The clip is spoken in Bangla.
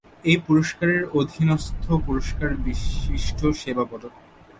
এই পুরস্কারের অধীনস্থ পুরস্কার বিশিষ্ট সেবা পদক।